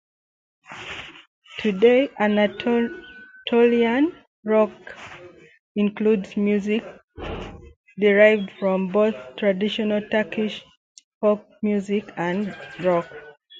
Today, Anatolian rock includes music derived from both traditional Turkish folk music and rock.